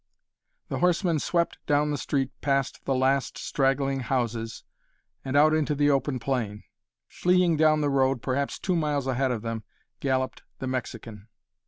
The horsemen swept down the street past the last straggling houses, and out into the open plain. Fleeing down the road, perhaps two miles ahead of them, galloped the Mexican.